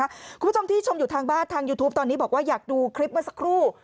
คุณผู้ชมที่ชมอยู่ทางบ้านทางยูทูปตอนนี้บอกว่าอยากดูคลิปเมื่อสักครู่